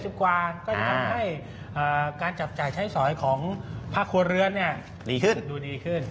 ทำให้การจับจ่ายใช้สอยของพักครัวเรือนดูดีขึ้น